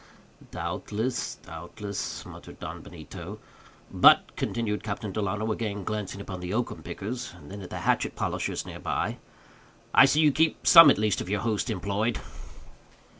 "Doubtless, doubtless," muttered Don Benito. "But," continued Captain Delano, again glancing upon the oakum pickers and then at the hatchet polishers, near by, "I see you keep some, at least, of your host employed."